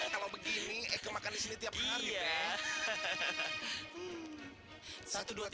kalo begini eike makan disini tiap hari deh